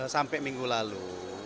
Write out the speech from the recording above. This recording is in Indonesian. sampai minggu lalu